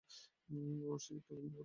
ওহ, সে একটা সুন্দর ফুল তৈরি করেছে।